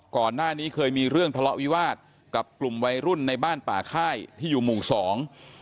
ก่อนหน้านี้เคยมีเรื่องทะเลาะวิวาสกับกลุ่มวัยรุ่นในบ้านป่าค่ายที่อยู่หมู่สอง